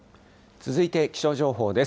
続いて気象情報です。